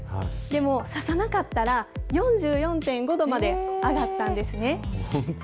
でも、差さなかったら４４．５度まで上がったんですね。